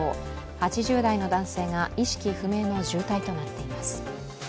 ８０代の男性が意識不明の重体となっています。